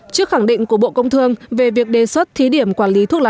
trước khẳng định của bộ công thương về việc đề xuất thí điểm quản lý thuốc lá